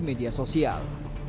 dan di media sosial